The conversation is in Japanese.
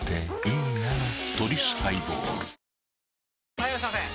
・はいいらっしゃいませ！